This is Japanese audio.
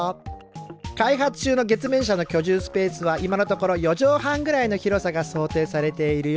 開発中の月面車の居住スペースは今のところ四畳半ぐらいの広さが想定されているよ。